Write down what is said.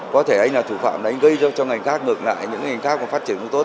có thể anh là thủ phạm anh gây cho ngành khác ngược lại những ngành khác còn phát triển cũng tốt